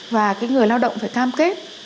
và cái người lao động phải cam kết